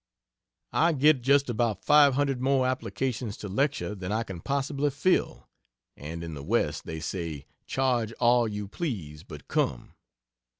I get just about five hundred more applications to lecture than I can possibly fill and in the West they say "Charge all you please, but come."